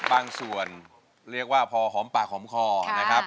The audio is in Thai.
บางส่วนเรียกว่าพอหอมปากหอมคอนะครับ